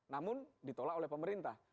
namun ditolak oleh pemerintah